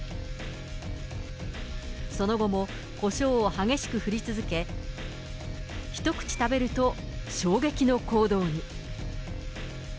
その後もコショウを激しく振り続け、１口食べると衝撃の行動に。